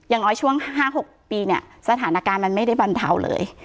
อย่างน้อยช่วง๕๖ปีเนี่ยสถานการณ์มันไม่ได้บรรเทาเลย